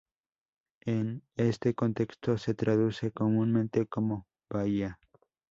En este contexto, se traduce comúnmente como "bahía".